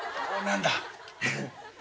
何だ？